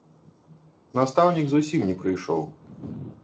Настаўнік зусім не прыйшоў.